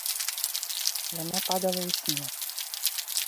Яна падала ў снег.